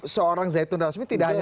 seorang zaitun rasmi tidak hanya